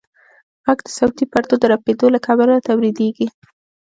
غږ د صوتي پردو د رپېدو له کبله تولیدېږي.